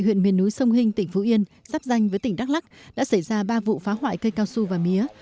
huyện miền núi sông hinh tỉnh phú yên sắp danh với tỉnh đắk lắc đã xảy ra ba vụ phá hoại cây cao su và mía